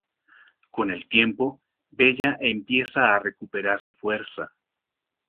Con el tiempo, Bella empieza a recuperar su fuerza.